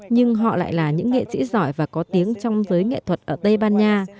nhưng họ lại là những nghệ sĩ giỏi và có tiếng trong giới nghệ thuật ở tây ban nha